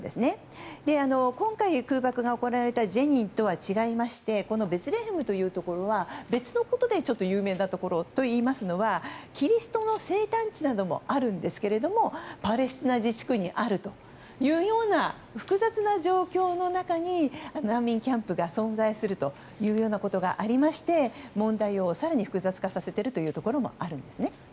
今回、空爆が行われたジェニンとは違いましてベツレヘムというところは別のことで有名なところでといいますのはキリストの生誕地などでもあるんですがパレスチナ自治区にあるというような複雑な状況の中に難民キャンプが存在するということがありまして問題を更に複雑化させているということもあるんです。